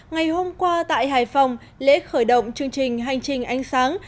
ngày hôm qua tại hải phòng lễ khởi động chương trình hành trình ánh sáng